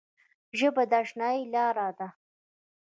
ژبه د اشنايي لاره ده